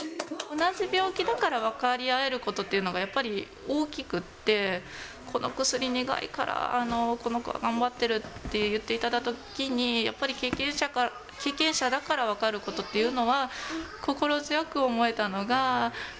同じ病気だから分かり合えることっていうのが、やっぱり大きくって、この薬苦いから、この子が頑張ってるって言っていただいたときに、やっぱり経験者だから分かることっていうのは、ぷっぷー。